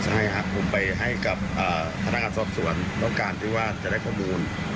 สัญญาคุณไปให้กับอ่าธนาคตรวจส่วนต้องการที่ว่าจะได้ข้อมูล